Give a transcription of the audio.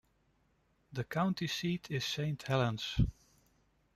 The county seat is Saint Helens.